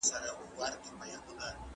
د ولسي جرګې غړي څنګه ټاکل کېږي؟